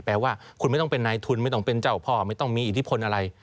แปลว่าคุณไม่ต้องเป็นนายทุนไม่ต้องเป็นเจ้าพ่อไม่ต้องมีอิทธิพลอะไร